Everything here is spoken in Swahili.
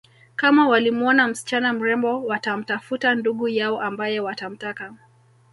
Kama walimwona msichana mrembo watamtafuta ndugu yao ambaye watamtaka